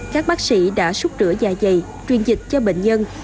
các bác sĩ đã xúc rửa da dày truyền dịch cho bệnh nhân